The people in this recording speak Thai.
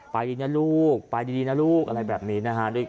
ไปนะลูกไปดีนะลูกอะไรแบบนี้นะฮะ